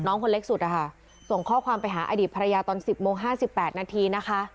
น้องคนเล็กสุดฮะส่งข้อความไปหาอดีตภรรยาตอนสิบโมงห้าสิบแปดนาทีนะคะ